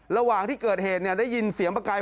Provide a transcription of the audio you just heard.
ระหว่างที่เกิดเหตุได้ยินเสียงประกาย